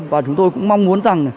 và chúng tôi cũng mong muốn rằng